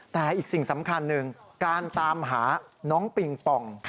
แต่อีกสิ่งสำคัญหนึ่งการตามหาน้องปิงปอง